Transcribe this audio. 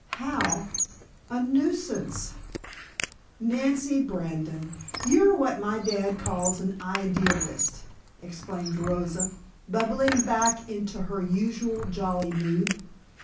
"How a nuisance?" "Nancy Brandon, you're what my dad calls an idealist!" exclaimed Rosa, bubbling back into her usual jolly mood.